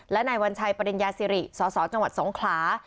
และนายวัญชัยประเด็นยาศิริสสจสงครา